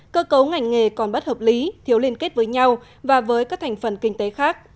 cơ cấu ngành nghề còn bất hợp lý thiếu liên kết với nhau và với các thành phần kinh tế khác